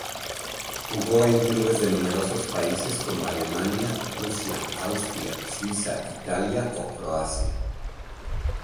Jugó en clubes de numerosos países, como Alemania, Rusia, Austria, Suiza, Italia o Croacia.